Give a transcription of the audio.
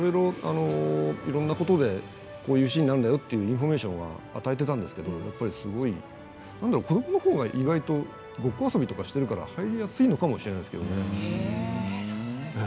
いろんなことでこういうシーンになるんだよってインフォメーションは与えていたんですけれど子どものほうがごっこ遊びをしているから入りやすいのかもしれませんね。